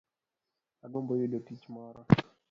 Agombo yudo tich moro